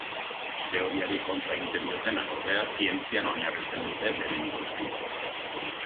Teoriari kontra egiten diotenak, ordea, zientzian oinarritzen dute beren ikuspuntua.